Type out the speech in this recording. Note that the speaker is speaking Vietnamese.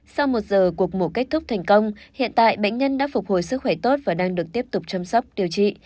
sau một giờ cuộc mổ kết thúc thành công hiện tại bệnh nhân đã phục hồi sức khỏe tốt và đang được tiếp tục chăm sóc điều trị